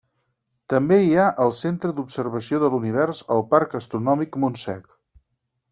També hi ha el Centre d'Observació de l'Univers, al Parc Astronòmic Montsec.